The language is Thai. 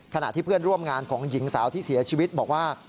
ขณะที่เพื่อนร่วมงานของหญิงสาวที่เสียชีวิตบอกว่า